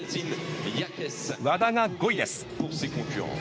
和田が５位です。